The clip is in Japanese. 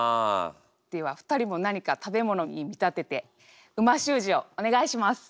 では２人も何か食べ物に見立てて美味しゅう字をお願いします。